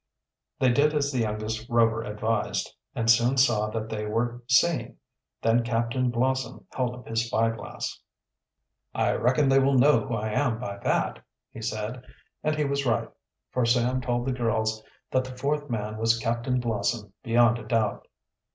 They did as the youngest Rover advised and soon saw that they were seen. Then Captain Blossom held up his spyglass. "I reckon they will know who I am by that," he said, and he was right, for Sam told the girls that the fourth man was Captain Blossom beyond a doubt.